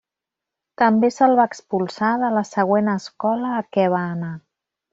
També se'l va expulsar de la següent escola a què va anar.